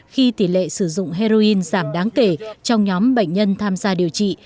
khi tỷ lệ sử dụng heroin giảm đáng kể trong nhóm bệnh nhân tham gia điều trị